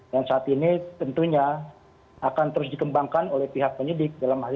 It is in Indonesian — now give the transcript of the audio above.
dan saat ini tentunya akan terus dikembangkan oleh pihak penyidik dalam hal ini